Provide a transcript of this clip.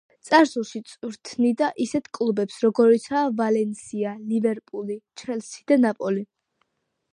წარსულში წვრთნიდა ისეთ კლუბებს, როგორიცაა „ვალენსია“, „ლივერპული“, „ჩელსი“ და „ნაპოლი“.